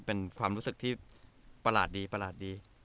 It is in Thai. เป็นความรู้สึกที่ประหลาดดี